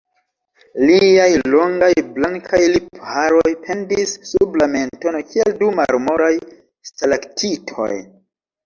Liaj longaj blankaj lipharoj pendis sub la mentono kiel du marmoraj stalaktitoj.